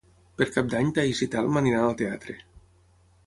Per Cap d'Any na Thaís i en Telm aniran al teatre.